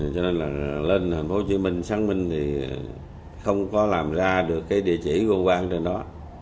cho nên là lên thành phố hồ chí minh sáng minh thì không có làm ra được cái địa chỉ của quang trên đó